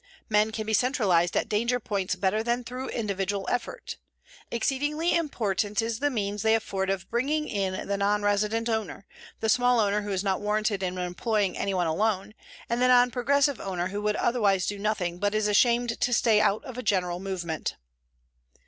Men can be centralized at danger points better than through individual effort. Exceedingly important is the means they afford of bringing in the non resident owner, the small owner who is not warranted in employing anyone alone, and the non progressive owner who would otherwise do nothing but is ashamed to stay out of a general movement.